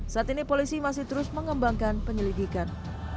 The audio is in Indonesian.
saat ini polisi masih terus mengembangkan penyelidikan